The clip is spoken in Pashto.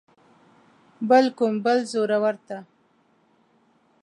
بل کوم بل زورور ته.